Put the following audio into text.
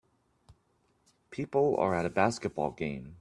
People are at a basketball game.